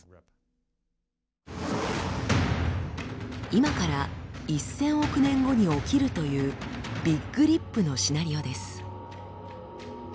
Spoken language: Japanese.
今から１，０００億年後に起きるというビッグリップのシナリオです。